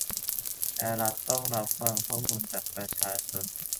และรัฐต้องรับฟังข้อมูลจากประชาชน